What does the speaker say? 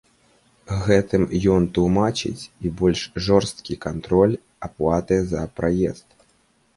Гэтым ён тлумачыць і больш жорсткі кантроль аплаты за праезд.